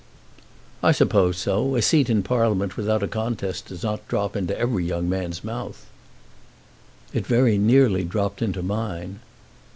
"I suppose so. A seat in Parliament without a contest does not drop into every young man's mouth." "It very nearly dropped into mine."